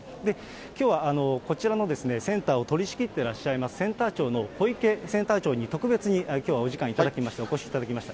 きょうはこちらのセンターを取りしきってらっしゃいますセンター長の小池センター長に、特別にきょうはお時間頂きまして、お越しいただきました。